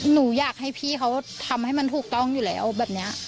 หนูอยากให้พี่เขาทำให้มันถูกต้องอยู่แล้วแบบนี้